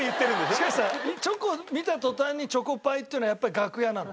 しかしさチョコを見た途端にチョコパイって言うのはやっぱり楽屋なの？